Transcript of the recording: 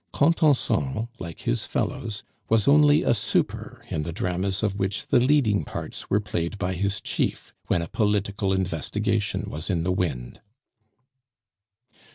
Contenson, like his fellows, was only a super in the dramas of which the leading parts were played by his chief when a political investigation was in the wind.